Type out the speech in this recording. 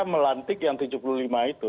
melantik yang tujuh puluh lima itu